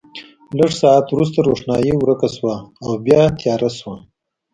لږ ساعت وروسته روښنايي ورکه شوه او بیا تیاره شوه.